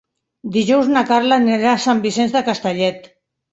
Dijous na Carla anirà a Sant Vicenç de Castellet.